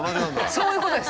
そういうことです。